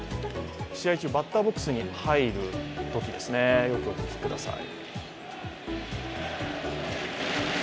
試合中、バッターボックスに入るときですね、よくお聞きください。